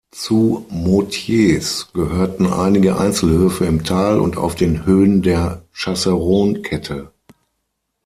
Zu Môtiers gehörten einige Einzelhöfe im Tal und auf den Höhen der Chasseron-Kette.